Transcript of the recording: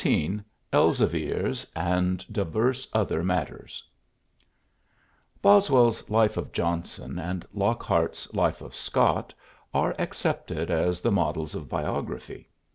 XIV ELZEVIRS AND DIVERS OTHER MATTERS Boswell's "Life of Johnson" and Lockhart's "Life of Scott" are accepted as the models of biography.